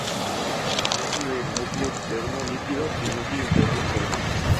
Consta de núcleo externo líquido, y núcleo interno sólido.